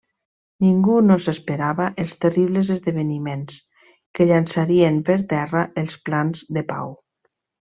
Ningú no s'esperava els terribles esdeveniments que llançarien per terra els plans de pau.